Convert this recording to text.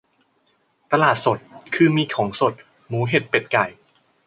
ตลาดสดคือมีของสด หมูเห็ดเป็ดไก่